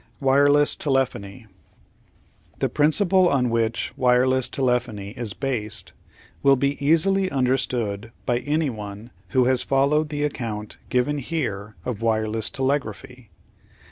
Wireless Telephony The principle on which wireless telephony is based will be easily understood by anyone who has followed the account given here of wireless telegraphy.